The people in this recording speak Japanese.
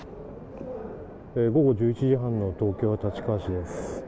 午後１１時半の東京・立川市です。